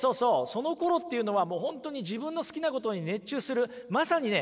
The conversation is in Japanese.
そのころっていうのはもう本当に自分の好きなことに熱中するまさにね